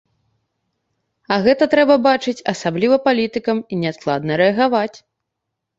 А гэта трэба бачыць, асабліва палітыкам, і неадкладна рэагаваць.